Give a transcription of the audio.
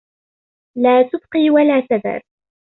لا تُبْقِي وَلا تَذَرُ